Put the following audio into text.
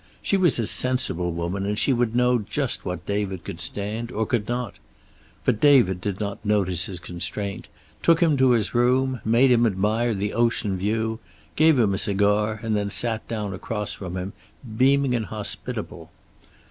She was a sensible woman, and she would know just what David could stand, or could not. But David did not notice his constraint; took him to his room, made him admire the ocean view, gave him a cigar, and then sat down across from him, beaming and hospitable.